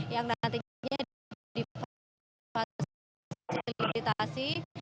yang nantinya di fasilitasi